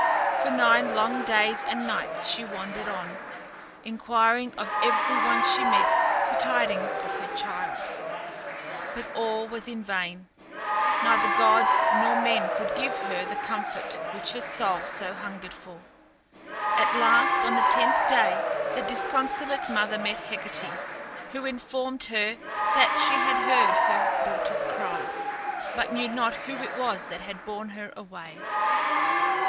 For nine long days and nights she wandered on, inquiring of every one she met for tidings of her child. But all was in vain! Neither gods nor men could give her the comfort which her soul so hungered for. At last, on the tenth day, the disconsolate mother met Hecate, who informed her that she had heard her daughter's cries, but knew not who it was that had borne her away.